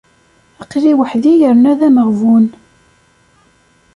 Aql-i weḥd-i yerna d ameɣbun.